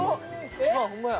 ホンマや。